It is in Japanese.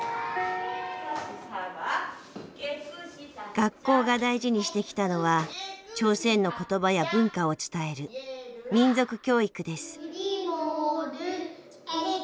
学校が大事にしてきたのは朝鮮の言葉や文化を伝える民族教育です。